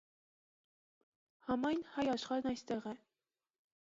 - Համայն հայ աշխարհն այստեղ է.